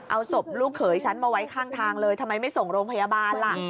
เอาศพลูกเขยฉันมาไว้ข้างทางเลยทำไมไม่ส่งโรงพยาบาลล่ะ